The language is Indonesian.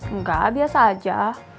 enggak biasa aja